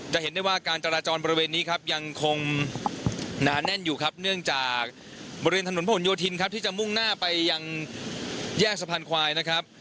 จะเห็นได้ว่าการจราจรบริเวณนี้ครับยังคงหนาแน่นอยู่ครับเนื่องจากบริเวณถนนพระหลโยธินครับที่จะมุ่งหน้าไปยังแยกสะพานควายนะครับ